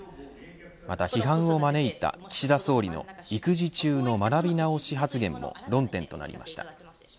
また批判を招いた岸田総理の育児中の学び直し発言も論点となりました。